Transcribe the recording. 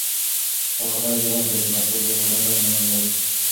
دا خبره جوته ده چې مسواک د غاښونو زنګ له منځه وړي.